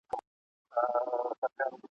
د څرمنو بد بویي ورته راتلله ..